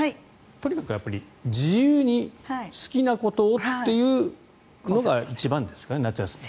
とにかく自由に好きなことをというのが一番ですかね、夏休み。